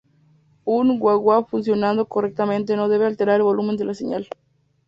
Un wah-wah funcionando correctamente no debe alterar el volumen de la señal.